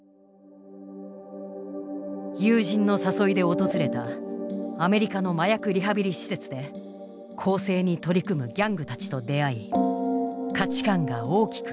友人の誘いで訪れたアメリカの麻薬リハビリ施設で更生に取り組むギャングたちと出会い価値観が大きく揺らいだのだ。